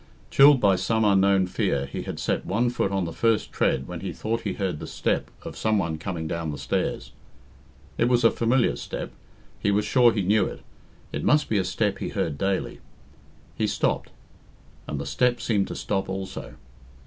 Chilled by some unknown fear, he had set one foot on the first tread when he thought he heard the step of some one coming down the stairs. It was a familiar step. He was sure he knew it. It must be a step he heard daily. He stopped, and the step seemed to stop also.